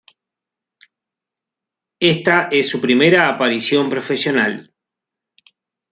Esta es su primera aparición profesional